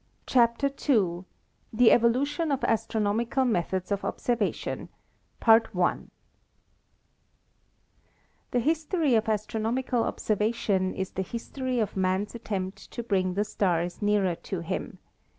CHAPTER II THE EVOLUTION OF ASTRONOMICAL METHODS OF OBSERVATION The history of astronomical observation is the history of man's attempt to bring the stars nearer to him.